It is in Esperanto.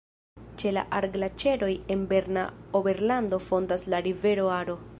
Ĉe la Ar-Glaĉeroj en Berna Oberlando fontas la rivero Aro.